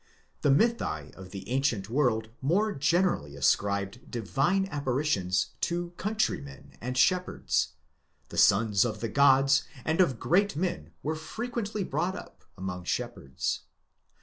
The mythi of the ancient world more generally ascribed divine apparitions to country men? and shepherds 1"; the sons of the gods, and of great men were fre quently brought up among shepherds.